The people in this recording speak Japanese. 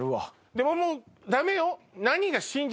でももうダメよ？